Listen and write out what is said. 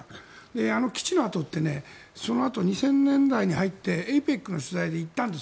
あの基地のあとってそのあと２０００年代に入ってＡＰＥＣの取材で行ったんです。